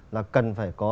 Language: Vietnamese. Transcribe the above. là cần phải có